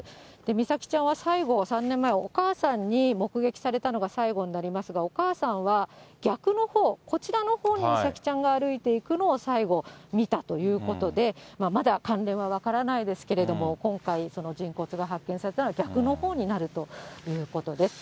美咲ちゃんは最後、３年前、お母さんに目撃されたのが最後になりますが、お母さんは逆のほう、こちらのほうに美咲ちゃんが歩いていくのを最後見たということで、まだ関連は分からないですけれども、今回、人骨が発見されたのは逆のほうになるということです。